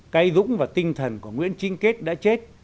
cái dũng và tinh thần của nguyễn chính kết đã chết